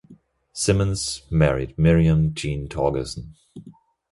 Simmons married Miriam Jean Torgerson.